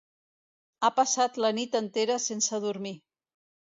Ha passat la nit entera sense dormir.